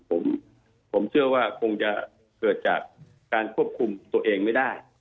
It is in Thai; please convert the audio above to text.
ผมเชื่อว่าคงจะเกิดจากการควบคุมตัวเองไม่ได้